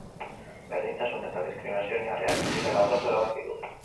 Berdintasun eta diskriminazio oinarriak ez direla urratu erabaki du.